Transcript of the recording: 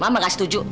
sam mama gak setuju